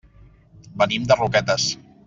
Venim de Roquetes.